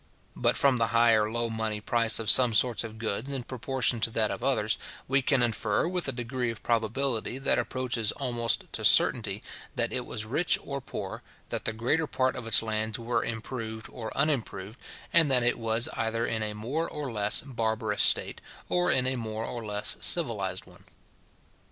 But from the high or low money price of some sorts of goods in proportion to that of others, we can infer, with a degree of probability that approaches almost to certainty, that it was rich or poor, that the greater part of its lands were improved or unimproved, and that it was either in a more or less barbarous state, or in a more or less civilized one.